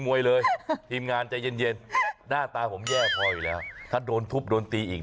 มันอาจจะเข้าทีอีก